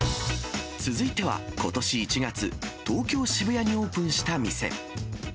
続いては、ことし１月、東京・渋谷にオープンした店。